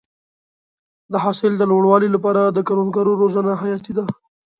د حاصل د لوړوالي لپاره د کروندګرو روزنه حیاتي ده.